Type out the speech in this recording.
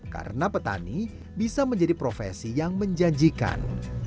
karena petani bisa menjadi profesi yang menjanjikan